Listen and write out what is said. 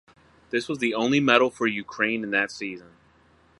This was the only medal for Ukraine in that season.